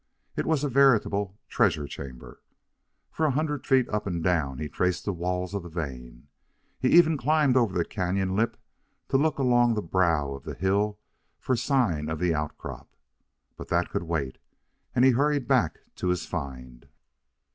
It was a veritable treasure chamber. For a hundred feet up and down he traced the walls of the vein. He even climbed over the canon lip to look along the brow of the hill for signs of the outcrop. But that could wait, and he hurried back to his find.